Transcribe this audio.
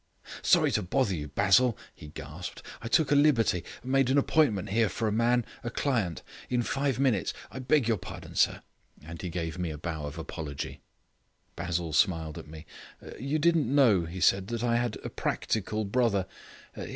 "Sorry to bother you, Basil," he gasped. "I took a liberty made an appointment here with a man a client in five minutes I beg your pardon, sir," and he gave me a bow of apology. Basil smiled at me. "You didn't know," he said, "that I had a practical brother.